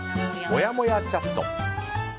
もやもやチャット。